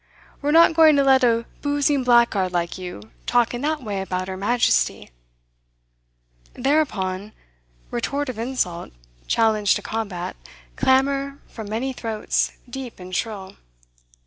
'We're not going to let a boozing blackguard like you talk in that way about 'er Majesty!' Thereupon, retort of insult, challenge to combat, clamour from many throats, deep and shrill.